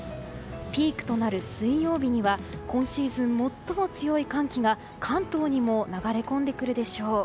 ピークとなる水曜日には今シーズン最も強い寒気が関東にも流れ込んでくるでしょう。